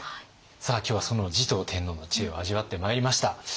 さあ今日はその持統天皇の知恵を味わってまいりました。